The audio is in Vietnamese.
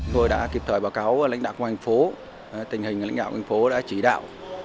tôi đã kịp thời báo cáo lãnh đạo quân hành phố tình hình lãnh đạo quân hành phố đã chỉ đạo